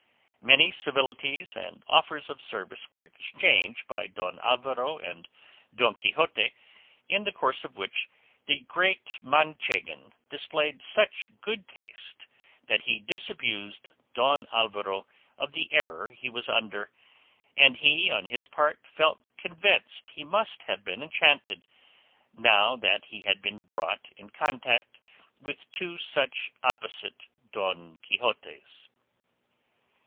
Many civilities and offers of service were exchanged by Don Alvaro and Don Quixote, in the course of which the great Manchegan displayed such good taste that he disabused Don Alvaro of the error he was under; and he, on his part, felt convinced he must have been enchanted, now that he had been brought in contact with two such opposite Don Quixotes.